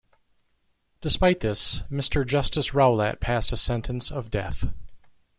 Despite this, Mr. Justice Rowlatt passed a sentence of death.